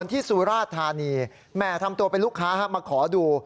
ที่สุราธานีแม่ทำตัวเป็นลูกค้ามาขอดู